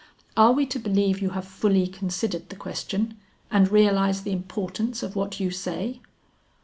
Are we to believe you have fully considered the question, and realize the importance of what you say?"